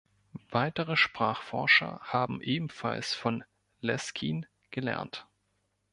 Weitere Sprachforscher haben ebenfalls von Leskien gelernt.